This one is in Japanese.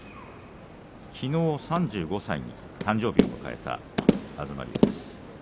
きのう、３５歳の誕生日を迎えた東龍です。